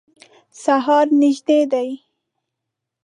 سهار نیژدي دی